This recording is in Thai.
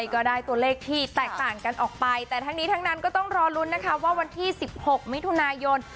ก็ได้ตัวเลขที่แตกต่างกันออกไปแต่ทั้งนี้ทั้งนั้นก็ต้องรอลุ้นนะคะว่าวันที่๑๖มิถุนายน